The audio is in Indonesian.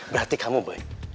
berarti kamu boy